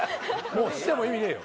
もうしても意味ねえよ。